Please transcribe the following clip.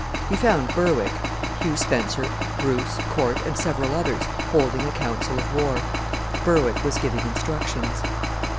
He found Berwick, Hugh Spencer, Bruce, Corte, and several others holding a council of war. Berwick was giving instructions.